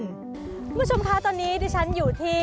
คุณผู้ชมคะตอนนี้ดิฉันอยู่ที่